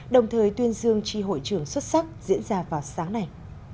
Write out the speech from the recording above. đồng thời tuyên dương tri hội trưởng xuất sắc diễn ra vào sáng nay